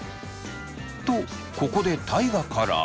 とここで大我から。